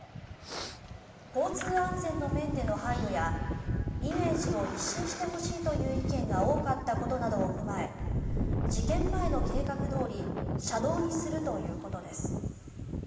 交通安全の面での配慮やイメージを一新してほしいという意見が多かったことなどを踏まえ事件前の計画どおり車道にするということです。